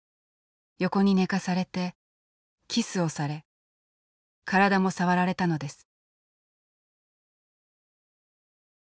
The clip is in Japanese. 横に寝かされてキスをされ体も触られたのです。